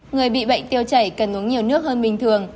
người bị bệnh tiêu chảy cần uống nhiều nước hơn bình thường